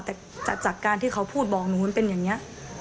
แต่จากการที่เขาพูดบอกหนูมันเป็นอย่างนี้